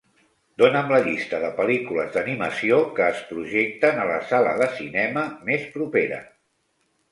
Dona'm la llista de pel·lícules d'animació que es projecten a la sala de cinema més propera.